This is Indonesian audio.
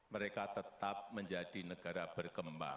mereka tetap menjadi negara berkembang